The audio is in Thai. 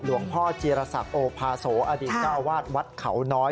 พ่อจีรศักดิ์โอภาโสอดีตเจ้าวาดวัดเขาน้อย